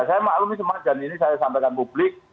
saya maklumi semakin dan ini saya sampaikan publik